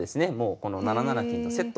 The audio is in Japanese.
この７七金とセット。